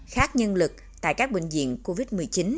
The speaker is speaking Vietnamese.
khác nhân lực tại các bệnh viện covid một mươi chín